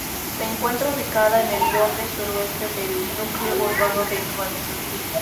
Se encuentra ubicada en el borde suroeste del núcleo urbano de Grandson.